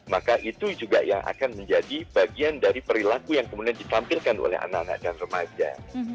maka itu juga yang akan menjadi bagian dari perilaku yang kemudian ditampilkan oleh anak anak dan remaja